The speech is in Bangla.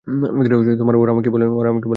ওরা আমাকে বলেনি।